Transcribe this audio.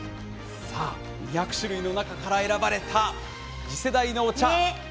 ２００種類の中から選ばれた次世代のお茶。